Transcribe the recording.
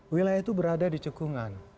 wilayah itu berada di cekungan